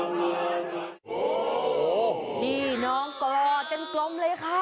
โอ้โหพี่น้องกอดกันกลมเลยค่ะ